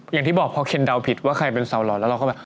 อย่างที่บอกพอเคนเดาผิดว่าใครเป็นสาวหล่อแล้วเราก็แบบ